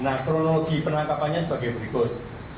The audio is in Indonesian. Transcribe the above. nah kronologi penangkapannya sebagai berikut